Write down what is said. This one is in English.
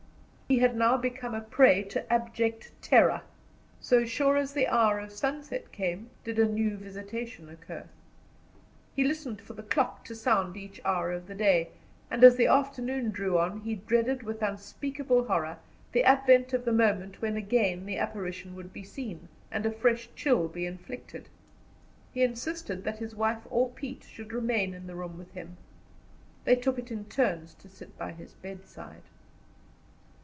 He had now become a prey to abject terror. So sure as the hour of sunset came, did a new visitation occur. He listened for the clock to sound each hour of the day, and as the afternoon drew on he dreaded with unspeakable horror the advent of the moment when again the apparition would be seen, and a fresh chill be inflicted. He insisted that his wife or Pete should remain in the room with him. They took it in turns to sit by his bedside.